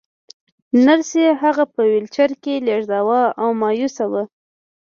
نرسې هغه په ويلچر کې لېږداوه او مايوسه وه.